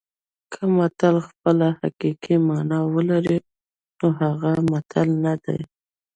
که متل خپله حقیقي مانا ولري نو هغه متل نه دی